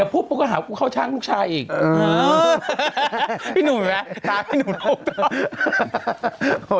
ปากสู้ลูกตุ๋มตามจะไปบวชไหมคะ